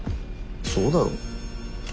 そうだろ？